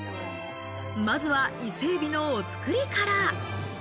まずは伊勢エビのお造りから。